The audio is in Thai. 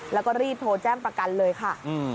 แล้วก็รีบโทรแจ้งประกันเลยค่ะ